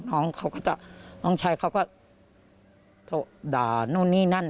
น้องชายเขาก็ด่านู่นนี่นั่น